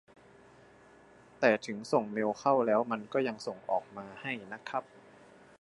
แต่ถึงส่งเมลเข้าแล้วมันก็ยังส่ง ออกมาให้นะครับ